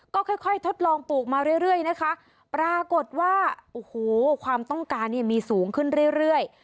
ก็ค่อยทดลองปลูกมาเรื่อยนะคะปรากฏว่าโอ้โหความต้องการเนี่ยมีสูงขึ้นเรื่อย